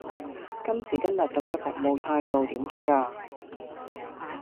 今時今日咁嘅服務態度點得㗎？